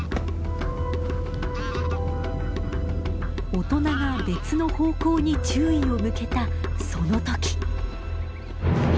大人が別の方向に注意を向けたその時！